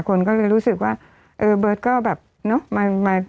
คนก็เลยรู้สึกว่าเออเบิร์ตก็แบบเนอะ